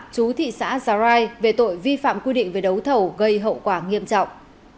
chú thị xã sarai về tội vi phạm quy định về đấu thầu gây hậu quả nghiêm trọng